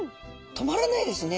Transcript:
止まらないですね